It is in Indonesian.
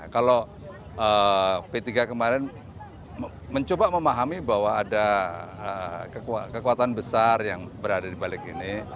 kalau p tiga kemarin mencoba memahami bahwa ada kekuatan besar yang berada di balik ini